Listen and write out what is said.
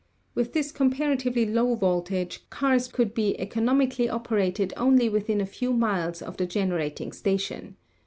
With this comparatively low voltage, cars could be economically operated only within a few miles of the gen erating station.